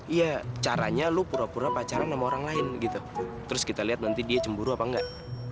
iya caranya lu pura pura pacaran sama orang lain gitu terus kita lihat nanti dia cemburu apa enggak